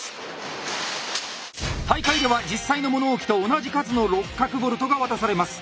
大会では実際の物置と同じ数の六角ボルトが渡されます。